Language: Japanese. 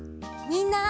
みんな！